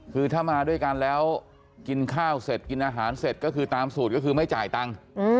คือถ้ามาด้วยกันแล้วกินข้าวเสร็จกินอาหารเสร็จก็คือตามสูตรก็คือไม่จ่ายตังค์